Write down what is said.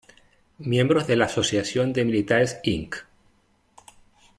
Miembros de la Asociación de Militares Inc.